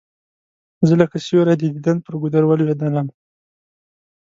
زه لکه سیوری د دیدن پر گودر ولوېدلم